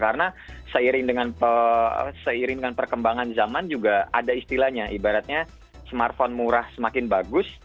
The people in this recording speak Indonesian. karena seiring dengan perkembangan zaman juga ada istilahnya ibaratnya smartphone murah semakin bagus